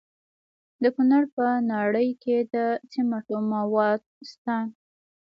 د کونړ په ناړۍ کې د سمنټو مواد شته.